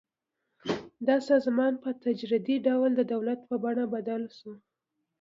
دا سازمان په تدریجي ډول د دولت په بڼه بدل شو.